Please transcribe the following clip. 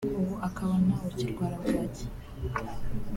ubu akaba ntawe ukirwara bwaki